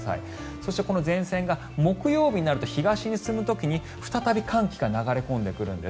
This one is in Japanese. そして、この前線が木曜日になると東に進む時に再び寒気が流れ込んでくるんです。